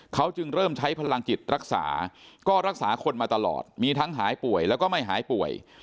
เขาจึงเริ่มใช้พลังจิตรักษาก็รักษาคนมาตลอดมีทั้งหายป่วยแล้วก็ไม่หายป่วย